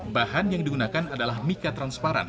bahan yang digunakan adalah mika transparan